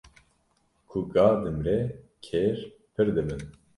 Ku ga dimre kêr pir dibin.